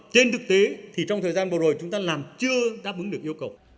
trên thực tế thì trong thời gian vừa rồi chúng ta làm chưa đáp ứng được yêu cầu